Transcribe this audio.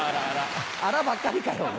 アラばっかりかよ。